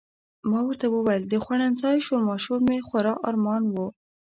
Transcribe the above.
ما ورته وویل د خوړنځای شورماشور مې خورا ارمان و.